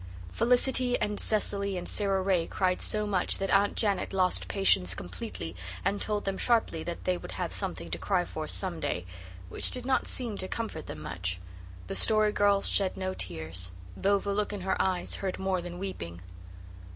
Felicity and Cecily and Sara Ray cried so much that Aunt Janet lost patience completely and told them sharply that they would have something to cry for some day which did not seem to comfort them much. The Story Girl shed no tears, though the look in her eyes hurt more than weeping.